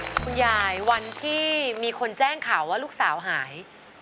คุณยายวันที่มีคนแจ้งข่าวว่าลูกสาวหาย